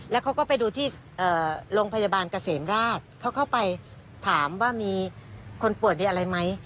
แล้วเขาก็ไปดูที่โรงพยาบาลเกษมราชเขาเข้าไปถามว่ามีคนป่วยมีอะไรไหม